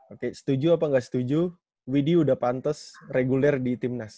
oke setuju apa gak setuju widhi udah pantes reguler di timnas